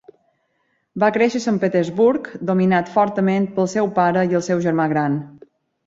Va créixer a Sant Petersburg dominat fortament pel seu pare i el seu germà gran.